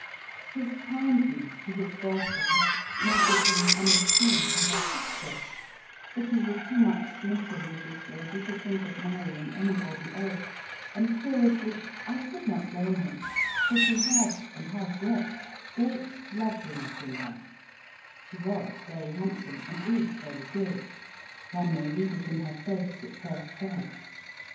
His kindness to his first wife may give him an esteem for her sister; but he was too much smitten with this lady to think of marrying anybody else, and, seriously, I could not blame him, for she had, and has yet, great loveliness in her; she was very handsome, and is very good (one may read it in her face at first sight).